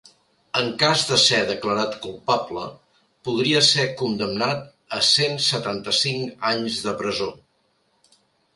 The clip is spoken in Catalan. En cas de ser declarat culpable, podria ésser condemnat a cent setanta-cinc anys de presó.